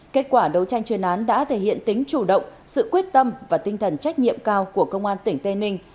kết quả đấu tranh chuyên án đã thể hiện tính chủ động sự quyết tâm và tinh thần trách nhiệm cao của công an tp hcm